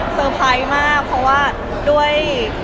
เพอร์ไพรส์มากเพราะว่าด้วย